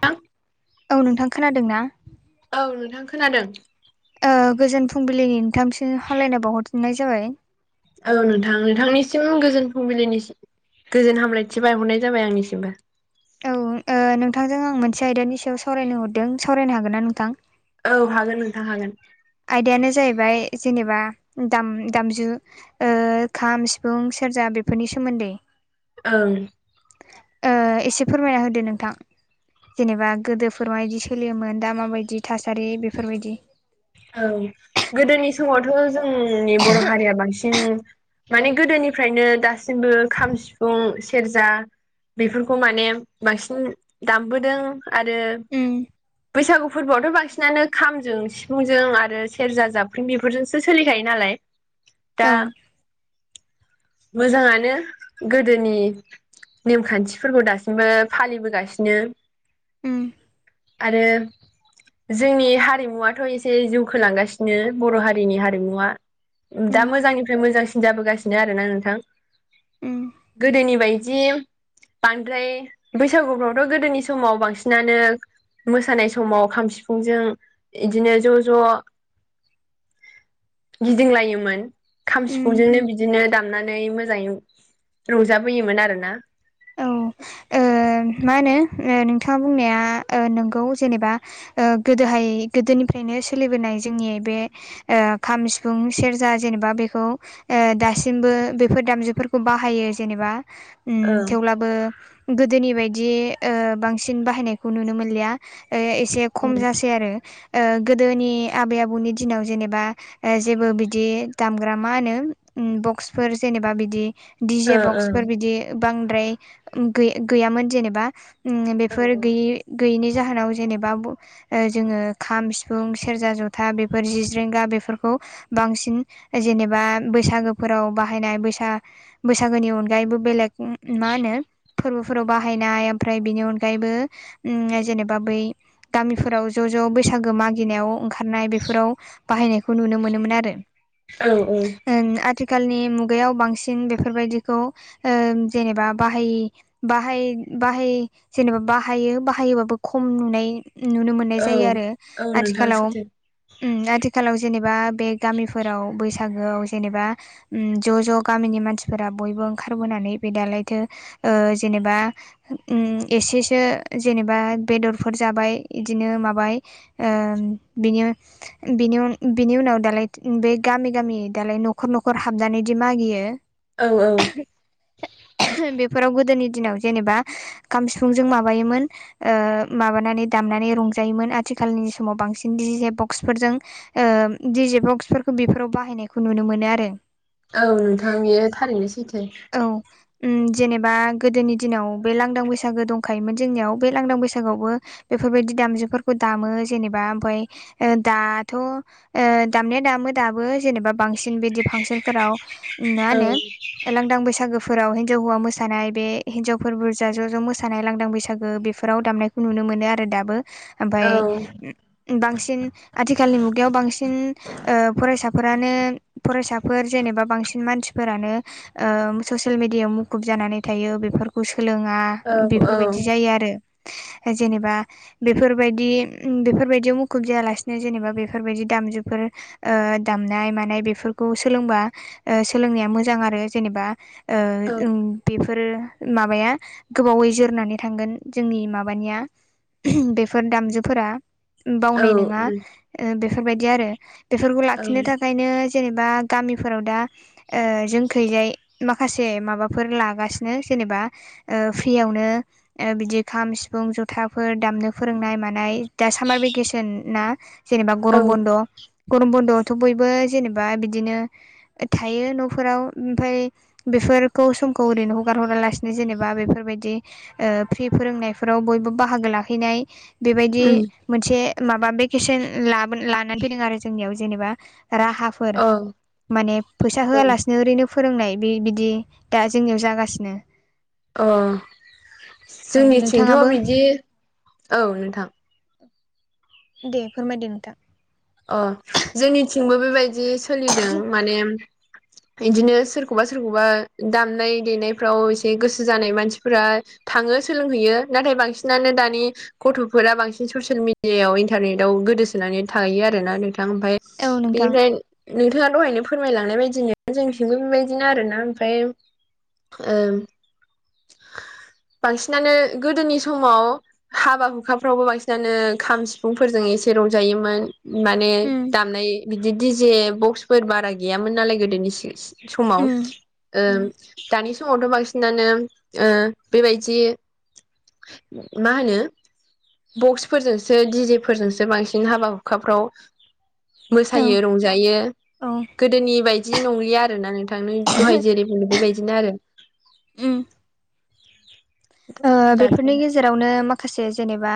थां औ नोंथां खोनादों ना? औ नोंथां खोनादों। ओ गोजोन फुंबिलिनि नोंथामसिम हाललायनाय बावहरफिननाय जाबाय। औ नोंथां नोंथांनिसिम गोजोन फुंबिलिनिम गोजोन हामलायथि बायहरनाय जाबाय नोंथांनिसिमबो। औ ओ नोंथांजों आं मोनसे आयदानि सायाव सावरायनो हरदों सावरायनो हागोन ना नोंथां? औ हागोन नोंथां हागोन। आयदायानो जाहैबाय जेनेबा दामजु दामजु खाम सिफुं सेरजा बेफोरनि सोमोन्दै ओं ओ एसे फोरमायना होदो नोंथां। जेनेबा गोदोफोर माबायदि सोलियोमोन दा माबायदि थासारि बेफोरबायदि औ गोदोनि समावथ' जोंनि बर' हारिया बांसिन माने गोदोनिफ्रायनो दासिमबो खाम सिफुं सेरजा बेफोरखौ माने बांसिन दामबोदों आरो उम बैसागु फोरबोआवथ' बांसिनानो खामजों सिफुं सिफुंजों आरो सेरजा जाबफ्रिं बेफोरजोंसो सोलिखायो नालाय दा औ मोजाङानो गोदोनि नेमखान्थिफोरखौ दासिमबो फालिबोगासिनो। ओम आरो जोंनि हारिमुवाथ' एसे ए जौखोलांगासिनो बर' हारिनि हारिमुवा दा उम मोजांनि फ्राय मोजांसिन जाबोगासिनो आरोना नोंथां उम गोदोनि बायदि बांद्राय बैसागुफ्रावथ' गोदोनि समाव बांसिनानो मोसानाय समाव खाम सिफुंजों इदिनो ज' ज' गिदिंलायोमोन। खाम उम सिफुंजोंनो बिदिनो दामनानै मोजाङै रंजााबोयोमोन आरो ना। औ मा होनो नोंथाङा बुंनाया नोंगौ जेनेबा ओ गोदोहाय गोदोनिफ्रायनो सोलिबोनाय जोंनि बे खाम सिफुं सेरजा जेनेबा बेखौ दासिमबो बेफोर दामजुफोरखौ बाहायो जेनेबा उम ओं थेवब्लाबो गोदोनि बायदि बांसिन बाहायनायखौ नुनो मोनलिया ओ एसे खम जासै आरो ओ गोदोनि आबै आबौनि दिनाव जेनेबा जेबो बिदि दामग्रा मा होनो बक्सफोर जेनेबा बिदि ओ दिडिजे ओं बक्सफोर बिदि बांद्राय गै गैयामोन जेनेबा औ बेफोर गैयै गैयैनि जाहोनाव जेनेबा जोङो खाम सिफुं सेरजा जथा बेफोर जि जिजेंगा बेफोरखौ बांसिन जेनेबा बैसागोफोराव बाहायनाय बैसा बैसागोनि अनगायैबो बेलेग मा होनो फोरबोफोराव बाहायनाय ओमफ्राय बेनि अनगायैबो जेनेबा बै गामिफोराव ज' ज' बैसागो मागिनायाव ओंखारनाय बेफोराव बाहायनायखौ नुनो मोनोमोन आरो औ आथिखालनि मुगायाव बांसिन बेफोरबायदिखौ ओ जेनेबा बाहाय बाहाय बाहाय जेनेबा बाहायो बाहायोबाबो खम नुनाय नुनो मोननाय औ जायो आरो औ नोंथां आथिखालाव सैथो उम आथिखालाव जेनेबा बे गामिफोराव बैसागोआव जेनेबा ज' ज' गामिनि मानसिफोरा बयबो ओंखारबोनानै बे दालायथो जेनेबा उम एसेसो जेनेबा बेदरफोर जाबाय बिदिनो माबाय ओम बिनिनो बिनि बिनि उनाव दालाय बे गामि गामि दालाय न'खर न'खर हाबनानैदि मागियो औ औ बेफोराव गोदोनि दिनाव जेनेबा खाम सिफुंजों माबायोमोन ओ माबानानै दामनानै रंजायोमोन आथिखालनि समाव बांसिन डिजे बक्सफोरजों ओ दिडिजे बक्सफोरखौ बेफोराव बाहायनायखौ नुनो मोनो आरो औ नोंथां बेयो थारैनो सैथो औ जेनेबा गोदोनि दिनाव बे लांदां बैसागो दंखायोमोन जोंनियाव बे लांदां बैसागोआवबो बेफोरबायदि दामजुफोरखौ दामो जेनेबा ओमफ्राय दाथ' दामनाया दामो दाबो जेनेबा बांसिन बिदि फांसनफोराव उम मा औ होनो लांदां बैसागोफोराव हिनजाव हौवा मोसानाय बे हिनजावफोर बुरजा ज' ज' मोसानाय लांदां बैसागो बे फोराव दामनायखौ नुनो मोनो आरो दाबो औ ओमफाय बांसिन आथिखालनि मुगायाव बांसिन ओ फरायसाफोरानो फरायसाफोर जेनेबा बांसिन मानसिफोरानो ओ ससियेल मेडियाायाव मुखुब जानानै थायो बेफोरखौ सोलोङा औ औ बेफोरबायदि जायो आरो जेनेबा बेफोरबायदि बेफोरबायदियाव मुखुब जायालासिनो जेनेबा बेफोरबायदि दामजुफोर ओ दामनाय मानाय बेफोरखौ सोलोंबा सोलोंनाया मोजां आरो जेनेबा ओ औ उम बेफोरो माबाया गोबावै जोरनानै थांगोन जोंनि माबानिया बेफोर दामजुफोरा बावनाय नङा बेफोरबायदि आरो बेफोरखौ औ लाखिनो थाखायनो जेनेबा गामिफोराव दा ओ जोंखैजाय माखासे माबाफोर लागासि नो जेनेबा ओ फ्रियावनो बिदि खाम सिफुं जथाफोर दामनो फोरोंनाय मानाय दा सामार भेकेसनाना जेनेबा औ गरम बन्द' गरम बन्द'आवथ' बयबो जेनेबा बिदिनो थायो न'फोराव ओमफाय बेफोरखौ समखौ ओरैनो हगार हरालासिनो जेनेबा बेफोरबायदि ओ फ्रि फोरोंनायफोराव बयबो बाहागो लाहैनाय बेबायदि उम मोनसे माबा भेकेसन ला लानानै फैदों आरो जोंनियाव जेनेबा राहा फोर औ माने फैसा औ होलानो ओरैनो फोरोंनाय बे बिदि दा जोंनियाव जागासिनो अ औ जोंनिथिंथ'आ नोंथाङाबो बिदि औ नोंथां। दे फोरमायदो नोंथां। अ जोंनिथिंबो बेबायदि सोलिदों माने बिदिनो सोरखौबा सोरखौबा दामनाय देनायफ्राव एसे गोसो जानाय मानसिफोरा थाङो सोलोंहैयो नाथाय बांसिनानो दानि गथ'फोरा बांसिन ससियेल मिडियाायाव इन्टारनेटआव गोदोसोनानै थाहैयो आरो। आरोना नोंथां ओमफफ्राय औ नोंथां बेनिफ्राय नोंथाङा दहायनो फोरमायलांनाय बायदिनो जोंथिंबो बेबायदिनो आरोना ओमफ्राय ओ। [inaudible] बांसिनानो गोदोनि समाव हाबा हुखाफ्रावबो बांसिनानो खाम सिफुंफोरजों एसे रंजायोमोन। माने उम दामनाय बिदि दिजे बक्सफोर बारा गैयामोन नालाय गोदोनि सिगां समाव उम उम दानि समावथ' बांसिनानो बेबायदि मा होनो बक्सफोरजोंसो दिफोरजोंसो बांसिन हाबा अखाफ्राव औ मोसायो रंजायो औ गोदोनि बायदि बिदि नंलिया आरोना नोंथांनो दहाय जेरै बुंङो बेबायदिनो आरो उम दाथ' बेफोरनि गेजेरजों ज जेरावनो माखासे जेनेबा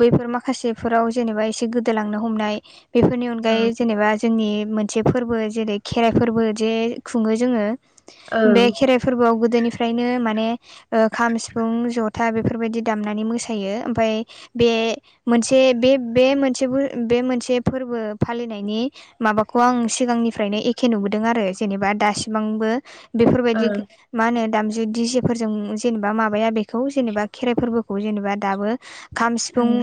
बैफोर माखासेफोराव जेनेबा एसे गोदोलांनो हमनाय बेफोरनि ओं अनगायै जेनेबा जोंनि मोनसे फोरबो जेरै खेराइ फोरबो जे खुङो जोङो। बे ओं खेराइ फोरबोआव गोदोनिफ्रायनो माने ओ खाम सिफुं जथा बेफोरबायदि दामनानै मोसायो ओमफ्राय बे मोनसे बे बे मोनसे बे मोनसे फोरबो फालिनायनि माबाखौ आं सिगांनिफ्रायनो एखे नुबोदों आरो जेनेबा दासिमांबो बेफोरबायदि ओं मा होनो दामजु दिजेफोरजों जेनेबा माबाया बेखौ जेनेबा खेराइ फोरबोखौ जेनेबा दाबो खाम सिफुं ओं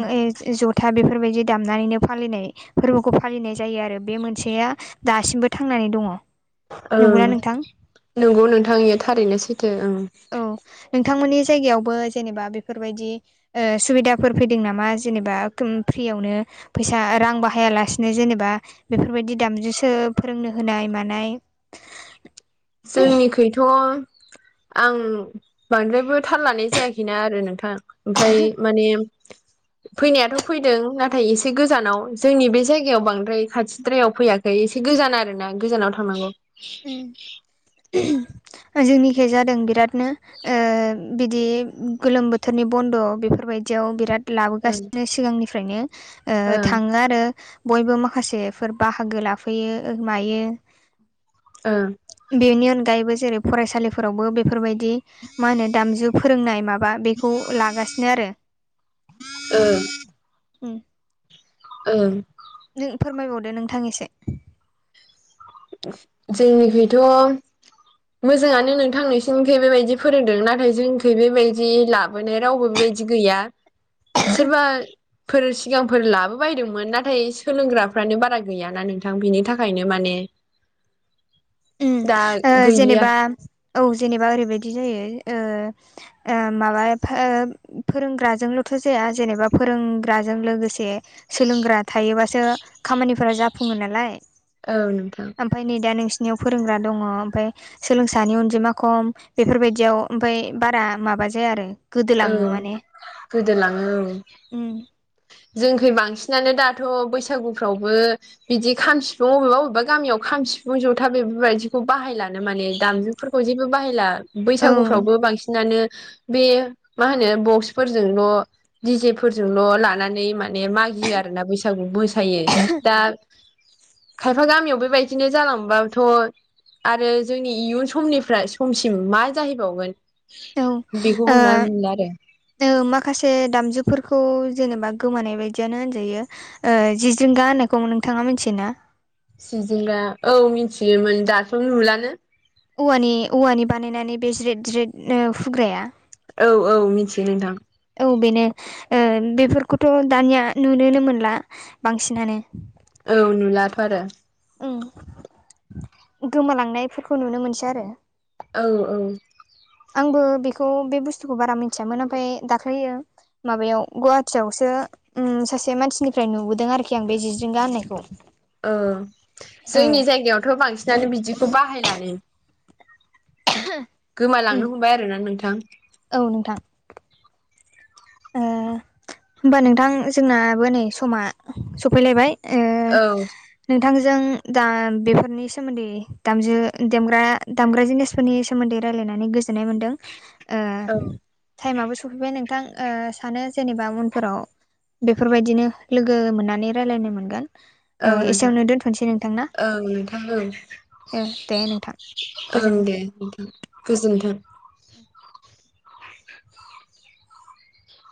दा बेफोरबायदि दामनानैनो फालिनाय फोरबोखौ फालिनाय जायो आरो बे मोनसेया दासिमबो थांनानै दङ। नंगौना ओं नोंथां नंगौ नोंथांनिया थारैनो सैथो ओं औ नोंथांमोननि जायगायावबो जेनेबा बेफोरबायदि सुबिदाफोर फैदों नामा जेनेबा फ्रियावनो फैसा रां बाहायालासिनो जेनेबा बेफोरबायदि दामजुसो फोरोंनो होनाय मानाय जोंनिखैथ' आं बांद्रायबो थाल लानाय जायाखैना आरो नोंथां ओमफ्राय माने। [unintelligible] फैनायाथ' फैदों नाथाय एसे गोजानाव जोंनि बे जायगायाव बांद्राय खाथिद्रायाव फैयाखै ओमफ्राय इ एसे गोजान आर ना गोजानाव थांनांगौ। ओम जोंनिखाय जादों बिरादनो बिदि गोलोम बोथोरनि बन्द' बेफोरबायदियाव बिराद ओं लाबोगासिनो सिगांनिफ्रायनो ओं थाङो आरो बयबो माखासेफोर बाहागो लाफैयो मायो। ओ। बेनि अनगायैबो जेरै फरायसालिफोरावबो बेफोरबायदि मा होनो दामजु फोरोंनाय माबा बेखौ लागासिनो आरो ओ। नों फोरमायबावदो नोंथां एसे जोंनिखिथ' मोजाङानो नोंथांनसिमखौ बेबायदि फोरोंदों नाथाय जोंखौ बेबायदि लाबोनाय रावबो बेबायदि बिदि गैया सोरबा फोर सिगांफोर लाबो बायदोंमोन नाथाय सोलोंग्राफ्रानो बारा गैयाना नोंथां बेनि थाखाय। थाखायनो माने ओम दा गैलिया जेनेबा औ जेनेबा ओरैबायदि जायो माबा एफा फोरोंग्राजोंल'थ' जाया जेनेबा फोरोंग्राजों लोगोसे सोलोंग्रा थायोबासो खामानिफोरा जाफुङो नालाय औ नोंथां। ओमफ्राय नै दा नोंसोरनियाव फोरोंग्रा दङ ओमफ्राय सोलोंसानि अनजिमा खम बेफोरबायदियाव ओमफफ्राय बारा माबा जाया आरो। औ गोदोलाङो गोदोलाङो औ ओम जोंखै बांसिनानो दाथ' बैसागुफ्रावबो बिदि खाम सिफुं अबेबा अबेबा गामियाव खाम सिफुं जथा बेफोरबायदिखौ बाहायलानो माने दामजु फोरखौ जेबो बाहायला औ बैसागुफ्रावबो बांसिनानो। बे मा होनो बक्सफोरजोंल' दिजेफोरजोंल' लानो लानानै माने मागियो आरोना बैसागु मोसायो दा खायफा गामियाव बेबायदिनो जालांबाथ' आरो जोंनि इयुन समनिफ्राय समसिम मा जाहैबावगोन औ ओ बेखौ हमना मोनो आरो माखासे दामजुफोरखौ जेनेबा गोमानाय बायदियानो होनजायो जि जिंगा होननायखौ नोंथाङा मिथियोना सिजा औ मिथियोमोन दाथ' नुलानो औवानि औवानि बानायनानै बे ज्रेद ज्रेद फुग्राया औ औ मिथियो नोंथां औ बेनो बेफोरखौथ' दानिया नुनोनो मोनला बांसिनानो औ नुलाथ' आरो। गोमालांनायफोरखौ नुनो मोनसै आरो औ औ आंबो बेखौ बे बुस्थुखौ बारा मिथियामोन ओमफ्राय दाख्लैयो माबायाव गुवाहाटियावसो उ सासे मानसिनिफ्राय नुबोदों आरोखि आं बे जि रिंगा होननायखौ औ ओ जोंनि जायगायावथ' बांसिनानो बिदिखौ बाहायलानो ह गोमालांनो हमबाय आरो ना नोंथां औ नोंथां होमबा नोंथां जोंनाबो नै समा सफैलायबाय ओ औ नोंथांजों दा बेफोरनि सोमोन्दै दाम दग्रा दामग्रा जिनिस सनि सोमोन्दै रायलायनानै गोजोननाय मोन्दों औ टाइमाबबो सफैबाय नोंथां सानो जेनेबा उनफोराव बेफोरबायदिनो लोगो मोननानै रायलायनो मोनगोन औ नोंथां एसेयावनो दोनथ'सै नोंथांना औ नोंथां औ दे नोंथां ओं गोजोननाय दे थाबाय गोजोन्थों